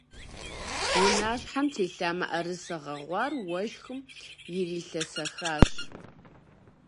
Унащхьэм телъа мыӏэрысэ гъэгъуар уэшхым ирилъэсэхащ.